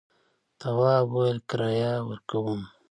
تواب وویل کرايه ورکوم.